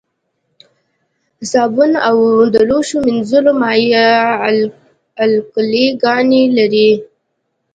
صابون او د لوښو مینځلو مایع القلي ګانې لري.